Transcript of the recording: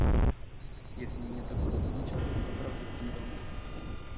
"jest mi niedogodnie i ciasno do pracy w tym domu."